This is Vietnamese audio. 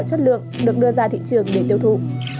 các loại thuốc không rõ chất lượng được đưa ra thị trường để tiêu thụ